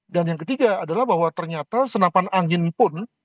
dan yang ketiga adalah bahwa ternyata senapan angin pun